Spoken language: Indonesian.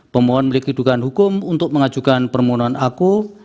pemohon memiliki dugaan hukum untuk mengajukan permohonan aku